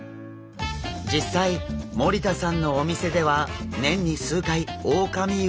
実際森田さんのお店では年に数回オオカミウオが入荷。